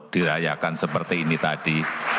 dirayakan seperti ini tadi